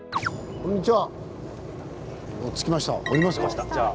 こんにちは。